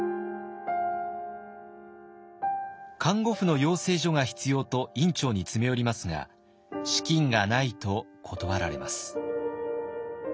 「看護婦の養成所が必要」と院長に詰め寄りますが「資金がない」と断られます。